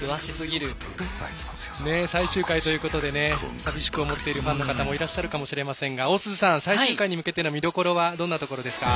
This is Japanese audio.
最終回ということでさびしく思っているファンの方もいらっしゃるかと思いますが大鈴さん、最終回に向けての見どころはどんなところですか？